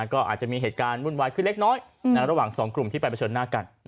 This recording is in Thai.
ก็อาจจะมีเหตุการณ์วุ่นวายขึ้นเล็กน้อยระหว่างสองกลุ่มที่ไปเผชิญหน้ากัน